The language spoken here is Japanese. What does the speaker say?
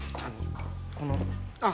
このあっ！